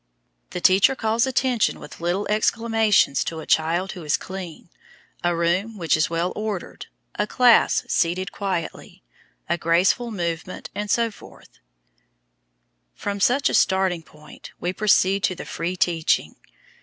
The teacher calls attention with little exclamations to a child who is clean, a room which is well ordered, a class seated quietly, a graceful movement, etc. From such a starting point we proceed to the free teaching.